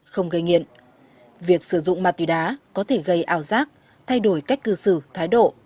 tuy nhiên việc sử dụng ma tuy đá có thể gây ảo giác thay đổi cách cư xử thái độ